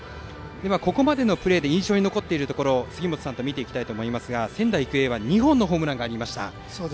ここまでのプレー印象に残るところ杉本さんと見ていきたいと思いますが、仙台育英には２本のホームランがありました。